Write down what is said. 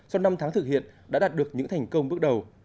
sau năm tháng thực hiện đã đạt được những thành công bước đầu